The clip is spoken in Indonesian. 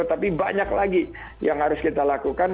tapi banyak lagi yang harus kita lakukan